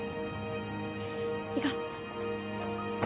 行こう。